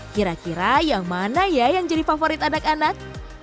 kira kira yang mana ya yang jadi favorit anak anak